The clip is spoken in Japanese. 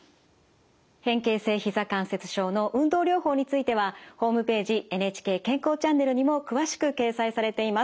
変形性ひざ関節症の運動療法についてはホームページ「ＮＨＫ健康チャンネル」にも詳しく掲載されています。